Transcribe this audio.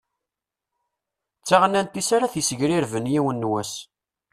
D taɣennant-is ara t-issegrirben yiwen n wass.